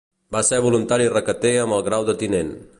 Va ser voluntari requeté amb el grau de tinent.